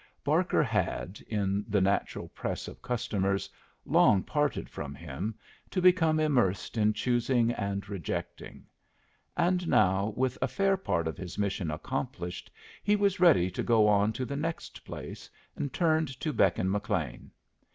Barker had, in the natural press of customers, long parted from him, to become immersed in choosing and rejecting; and now, with a fair part of his mission accomplished, he was ready to go on to the next place, and turned to beckon McLean.